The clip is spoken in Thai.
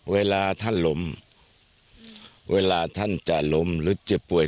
เวลาท่านล้มเวลาท่านจะล้มหรือเจ็บป่วย